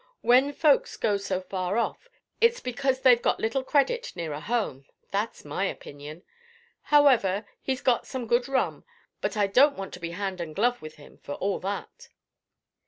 When folks go so far off, it's because they've got little credit nearer home—that's my opinion. However, he's got some good rum; but I don't want to be hand and glove with him, for all that."